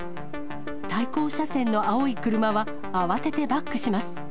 対向車線の青い車は、慌ててバックします。